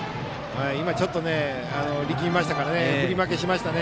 今ちょっと力みましたから振り負けしましたね。